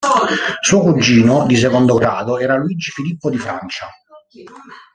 Suo cugino di secondo grado era Luigi Filippo di Francia.